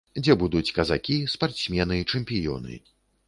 Дзе будуць казакі, спартсмены, чэмпіёны.